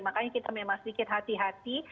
makanya kita memang sedikit hati hati